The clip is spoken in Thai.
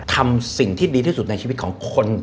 ทำสิ่งที่ดีที่สุดในชีวิตของคน